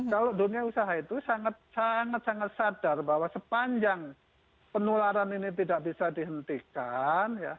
kalau dunia usaha itu sangat sangat sadar bahwa sepanjang penularan ini tidak bisa dihentikan